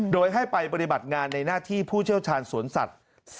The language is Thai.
โดยให้ไปปฏิบัติงานในหน้าที่ผู้เชี่ยวชาญสวนสัตว์